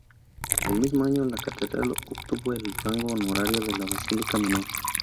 El mismo año, la catedral obtuvo el rango honorario de Basílica Menor.